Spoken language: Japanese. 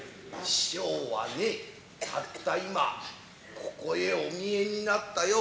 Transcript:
師匠はねたった今ここへお見えになったよ。